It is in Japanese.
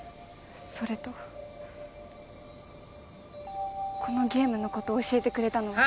それとこのゲームの事教えてくれたのは。